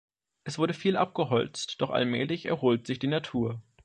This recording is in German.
Es wurde viel abgeholzt, doch allmählich erholt sich die Natur.